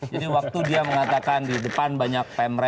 jadi waktu dia mengatakan di depan banyak pem